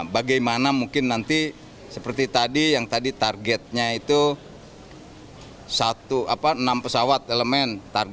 bagaimana mungkin nanti seperti tadi yang tadi targetnya itu enam pesawat elemen